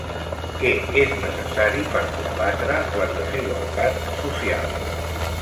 Què és necessari per combatre les desigualtats socials?